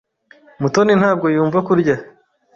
Mutoni ntabwo yumva kurya.